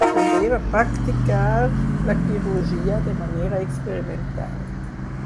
També va practicar la cirurgia de manera experimental.